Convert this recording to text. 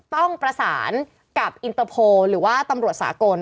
ต้องประสานกับอินเตอร์โพลหรือว่าตำรวจสากล